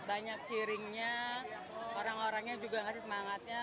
banyak cheering nya orang orangnya juga ngasih semangatnya